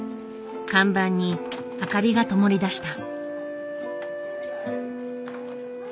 看板に明かりがともりだした。